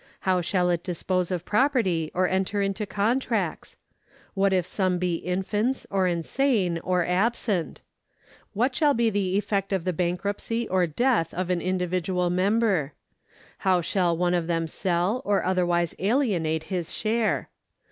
How shall it dispose of property or enter into contracts ? What if some be infants, or insane, or absent ? What shall be the effect of the bankruptcy or death of an individual member ? How shall one of them sell or otherwise alienate his share